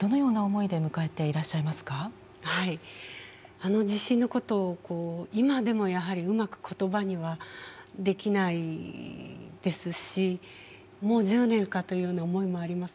あの地震のことを今でもやはりうまく言葉にはできないですしもう１０年かというような思いもあります。